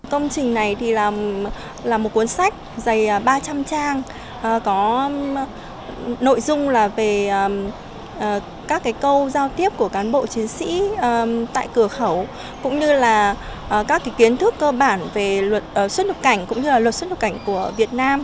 công trình này là một cuốn sách dày ba trăm linh trang có nội dung về các câu giao tiếp của cán bộ chiến sĩ tại cửa khẩu cũng như là các kiến thức cơ bản về luật xuất nhập cảnh cũng như là luật xuất nhập cảnh của việt nam